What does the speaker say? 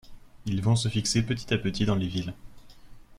Ils vont se fixer petit à petit dans les villes.